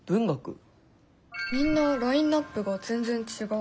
みんなラインナップが全然違う。